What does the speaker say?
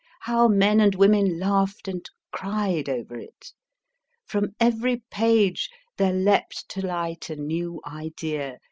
How men and women laughed and cried over it ! From every page there leaped to light a new idea.